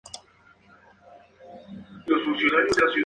Obtuvo el cargo de profesor en la Escuela Superior de Pintura.